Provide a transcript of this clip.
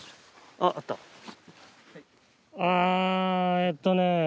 あえっとね。